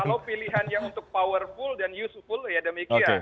iya kalau pilihan yang untuk powerful dan useful ya demikian